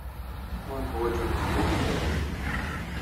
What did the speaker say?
Ur neḥwaj ula d yiwen niḍen.